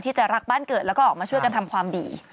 ที่จะรักบ้านเกิดแล้วก็ออกมาช่วยกันทำความดี